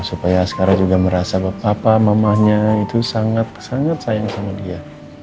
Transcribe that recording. supaya asgara juga merasa bapak mamahnya itu sangat sayang sama dia